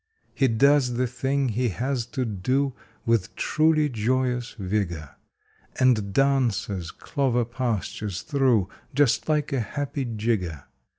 He does the thing he has to do with truly joyous vigor, And dances clover pastures through just like a happy jigger.